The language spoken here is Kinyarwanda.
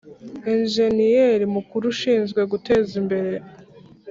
Enjeniyeri Mukuru ushinzwe guteza imbere